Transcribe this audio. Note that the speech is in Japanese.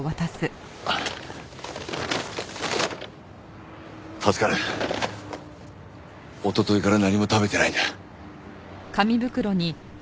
おとといから何も食べてないんだ。